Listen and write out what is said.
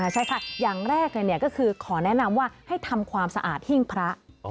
ใช่ค่ะอย่างแรกก็คือขอแนะนำว่าให้ทำความสะอาดหิ้งพระ